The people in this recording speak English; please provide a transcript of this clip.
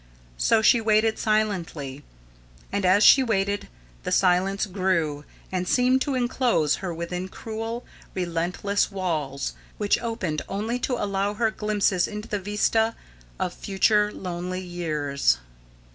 So she waited silently, and as she waited the silence grew and seemed to enclose her within cruel, relentless walls which opened only to allow her glimpses into the vista of future lonely years.